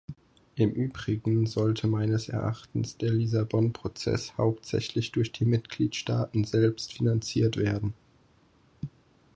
Im Übrigen sollte meines Erachtens der Lissabon-Prozess hauptsächlich durch die Mitgliedstaaten selbst finanziert werden.